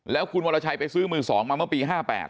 แล้วคุณวรชัยไปซื้อมือ๒มาเมื่อปี๕๘